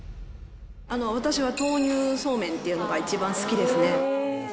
私は豆乳そうめんっていうのが一番好きですね。